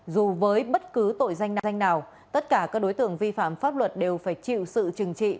dù với bất cứ tội danh nào tất cả các đối tượng vi phạm pháp luật đều phải chịu sự trừng trị